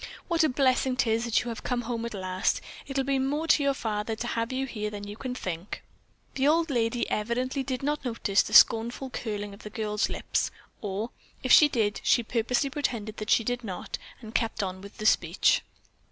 "What a blessing 'tis that you have come home at last. It'll mean more to your father to have you here than you can think." The old lady evidently did not notice the scornful curling of the girl's lips, or, if she did, she purposely pretended that she did not, and kept on with her speech.